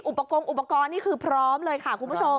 อุปกรณ์อุปกรณ์นี่คือพร้อมเลยค่ะคุณผู้ชม